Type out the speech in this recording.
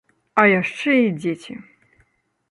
А яшчэ і дзеці.